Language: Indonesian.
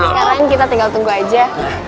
sekarang kita tinggal tunggu aja